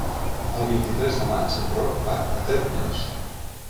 El vint-i-tres de maig en Roc va a Térmens.